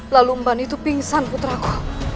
lalu mbakn itu pingsan putraku